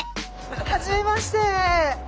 はじめまして！